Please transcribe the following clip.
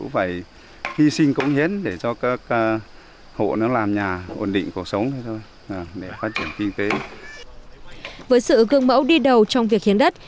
với sự gương mẫu đi đầu trong việc hiến đất